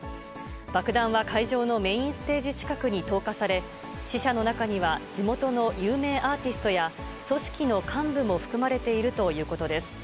爆弾は会場のメインステージ近くに投下され、死者の中には、地元の有名アーティストや、組織の幹部も含まれているということです。